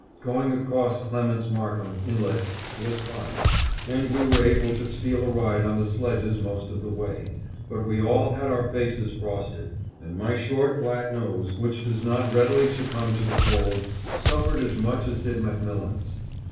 Going across Clements Markham Inlet was fine, and we were able to steal a ride on the sledges most of the way, but we all had our faces frosted, and my short flat nose, which does not readily succumb to the cold, suffered as much as did MacMillan's.